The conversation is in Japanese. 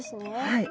はい。